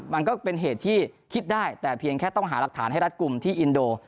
มันก็เป็นเหตุที่คิดได้แต่เพียงแค่ต้องหารักฐานให้รัฐกลุ่มที่อินโด